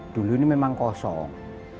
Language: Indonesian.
dulu ini memang kosong